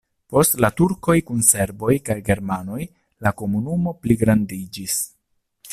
Post la turkoj kun serboj kaj germanoj la komunumo pligrandiĝis.